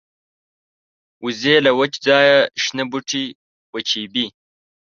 وزې له وچ ځایه شنه بوټي وچيبي